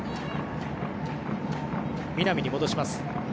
南に戻します。